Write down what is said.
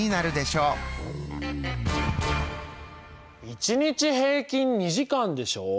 １日平均２時間でしょ。